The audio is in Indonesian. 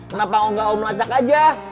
kenapa enggak om lacak aja